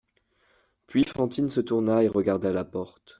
Puis Fantine se tourna et regarda la porte.